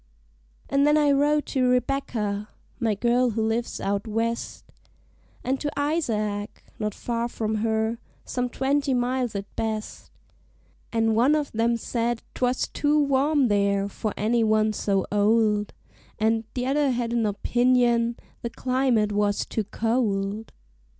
An' then I wrote to Rebecca, my girl who lives out West, And to Isaac, not far from her some twenty miles at best; And one of 'em said 'twas too warm there for any one so old, And t' other had an opinion the climate was too cold.